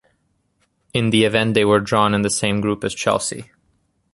In the event they were drawn in the same group as Chelsea.